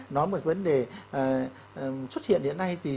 nói về vấn đề xuất hiện hiện nay